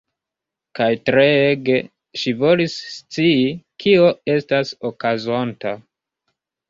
Kaj treege ŝi volis scii kio estas okazonta.